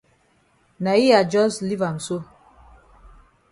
Na yi I jus leave am so.